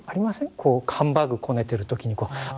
こうハンバーグこねてる時にあ